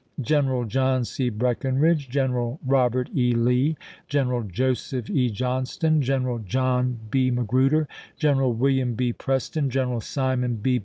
General John C. Breckinridge, Gen eral Robert E. Lee, General Joseph E. Johnston, General John B. Magruder, General William B. Preston, General Simon B.